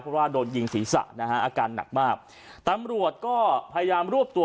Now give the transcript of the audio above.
เพราะว่าโดนยิงศีรษะนะฮะอาการหนักมากตำรวจก็พยายามรวบตัว